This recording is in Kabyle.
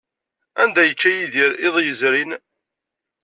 Anda ay yečča Yidir iḍ yezrin?